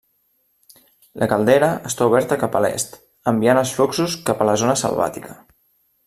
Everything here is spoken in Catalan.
La caldera està oberta cap a l'est, enviant els fluxos cap a la zona selvàtica.